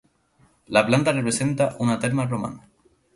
La planta representa una terma romana.